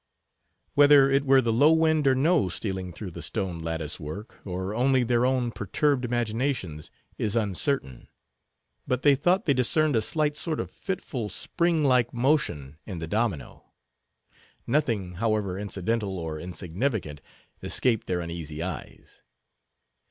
Whether it were the low wind or no, stealing through the stone lattice work, or only their own perturbed imaginations, is uncertain, but they thought they discerned a slight sort of fitful, spring like motion, in the domino. Nothing, however incidental or insignificant, escaped their uneasy eyes.